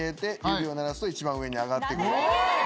指を鳴らすと一番上に上がって。